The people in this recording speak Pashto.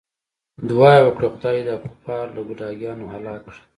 دعا یې وکړه خدای دې دا کفار له ګوډاګیانو هلاک کړي.